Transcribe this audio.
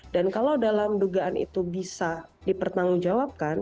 dan kalau dalam dugaan itu bisa dipertanggungjawabkan